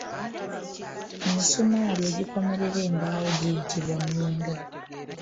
Emisumaali egikomerera embaawo giyitibwa nninga.